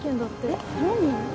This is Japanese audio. えっ何の？